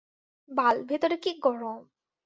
বাল, ভেতরে কী গরম।